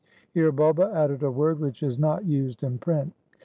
Here Bulba added a word which is not used in print.